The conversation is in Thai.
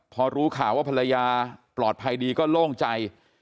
พอรู้ข่าวว่าภรรยาปลอดภัยดีก็โล่งใจ